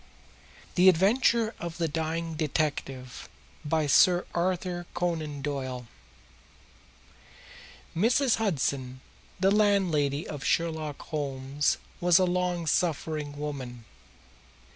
The Adventure of the Dying Detective By Sir Arthur Conan Doyle Mrs. Hudson, the landlady of Sherlock Holmes, was a long suffering woman.